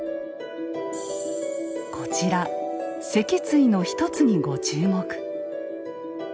こちら脊椎の１つにご注目。